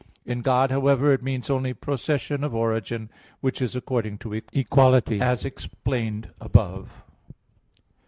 In God, however, it means only procession of origin, which is according to equality, as explained above (Q.